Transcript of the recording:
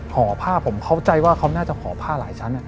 ห่อผ้าผมเข้าใจว่าเขาน่าจะห่อผ้าหลายชั้น